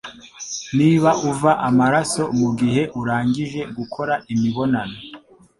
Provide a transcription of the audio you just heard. Niba uva amaraso mu gihe urangije gukora imibonano